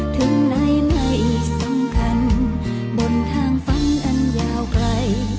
ถึงไหนไม่สำคัญบนทางฝันตันยาวไกล